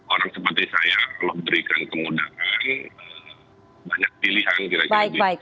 orang seperti saya allah berikan kemudahan banyak pilihan kira kira gitu ya